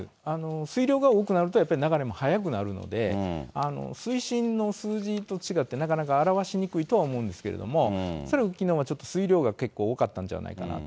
水量が多くなると、やっぱり流れも速くなるので、水深の数字と違ってなかなか表しにくいとは思うんですけども、恐らくきのうは結構多かったんではないかなと。